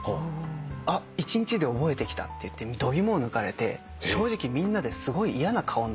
あっ一日で覚えてきたって度肝を抜かれて正直みんなですごい嫌な顔になった。